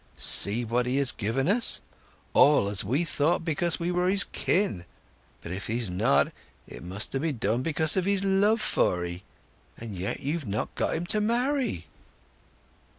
See what he has given us—all, as we thought, because we were his kin. But if he's not, it must have been done because of his love for 'ee. And yet you've not got him to marry!"